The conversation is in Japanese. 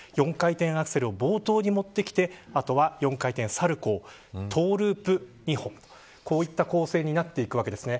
４回転アクセルを冒頭に持ってきてあとは４回転サルコウトゥループ２本こういった構成となっています。